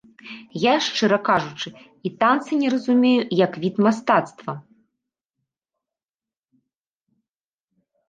Я, шчыра кажучы, і танцы не разумею, як від мастацтва.